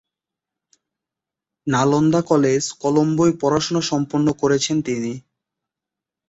Nalanda college কলম্বোয় পড়াশুনো সম্পন্ন করেছেন তিনি।